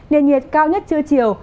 nền nhiệt cao nhất trưa chiều